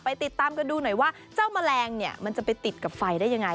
ติดตามกันดูหน่อยว่าเจ้าแมลงเนี่ยมันจะไปติดกับไฟได้ยังไง